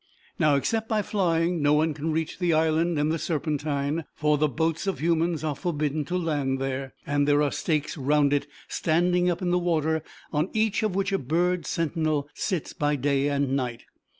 Now, except by flying, no one can reach the island in the Serpentine, for the boats of humans are forbidden to land there, and there are stakes round it, standing up in the water, on each of which a bird sentinel sits by day and night.